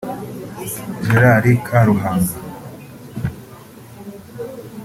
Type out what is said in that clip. Gerald Karuhanga